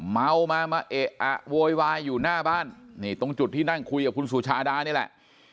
เมามามาเอะอะโวยวายอยู่หน้าบ้านนี่ตรงจุดที่นั่งคุยกับคุณสุชาดานี่แหละ